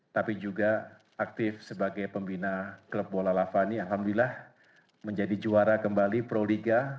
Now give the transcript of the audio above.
tapi juga aktif sebagai pembina klub bola lavani alhamdulillah menjadi juara kembali proliga